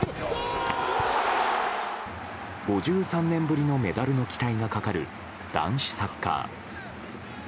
５３年ぶりのメダルの期待がかかる男子サッカー。